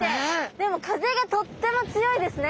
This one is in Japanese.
でも風がとっても強いですね。